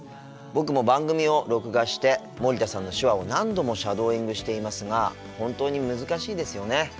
僕も番組を録画して森田さんの手話を何度もシャドーイングしていますが本当に難しいですよね。